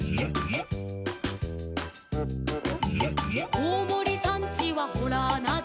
「こうもりさんちはほらあなで」